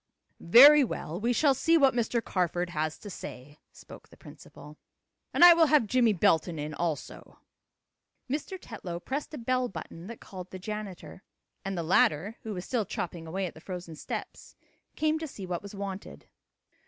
"Very well, we shall see what Mr. Carford has to say," spoke the principal. "And I will have Jimmie Belton in also." Mr. Tetlow pressed a bell button that called the janitor, and the latter, who was still chopping away at the frozen steps, came to see what was wanted.